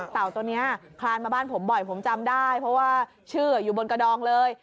ตัวนี้คลานมาบ้านผมบ่อยผมจำได้เพราะว่าชื่ออยู่บนกระดองเลย